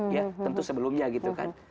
ya tentu sebelumnya gitu kan